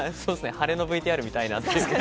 晴れのＶＴＲ見たいな。